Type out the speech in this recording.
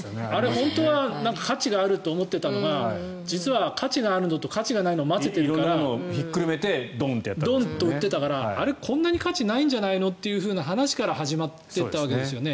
本当は価値があると思っていたのが実は価値があるのと価値がないのを混ぜてひっくるめて、色んなのをどんと売っていたからこんなに価値がないんじゃないのという話から始まっていったわけですよね。